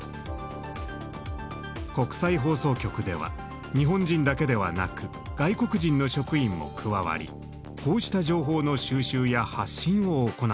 国際放送局では日本人だけではなく外国人の職員も加わりこうした情報の収集や発信を行っています。